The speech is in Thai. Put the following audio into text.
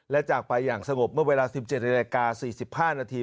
และจากไปอย่างสงบเมื่อเวลา๑๗นาฬิกา๔๕นาที